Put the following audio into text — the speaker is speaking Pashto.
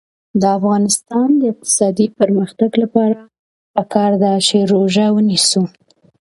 د افغانستان د اقتصادي پرمختګ لپاره پکار ده چې روژه ونیسو.